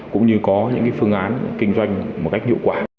cũng như có những phương án kinh doanh một cách hiệu quả